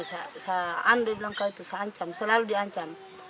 seandainya dia bilang kau itu seancam selalu diancam